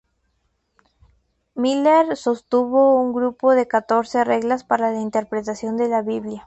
Miller sostuvo un grupo de catorce reglas para la interpretación de la "Biblia".